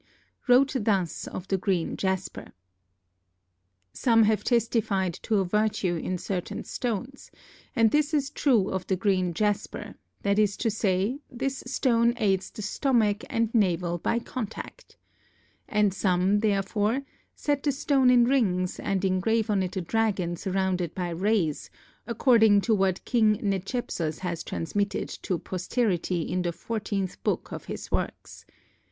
wrote thus of the green jasper: Some have testified to a virtue in certain stones, and this is true of the green jasper, that is to say, this stone aids the stomach and navel by contact. And some, therefore, set the stone in rings and engrave on it a dragon surrounded by rays, according to what King Nechepsos has transmitted to posterity in the fourteenth book (of his works).